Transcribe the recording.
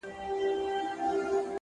ښه ملګرتیا فکرونه لوړوي،